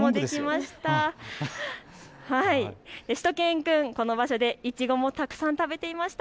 しゅと犬くん、この場所でイチゴもたくさん食べていました。